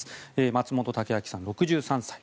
松本剛明さん、６３歳。